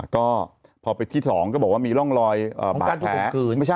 ก็พอไปที่๒ก็บอกว่ามีร่องรอยบาดแผล